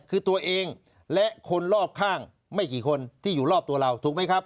คือตัวเองและคนรอบข้างไม่กี่คนที่อยู่รอบตัวเราถูกไหมครับ